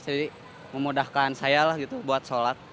jadi memudahkan saya lah gitu buat solat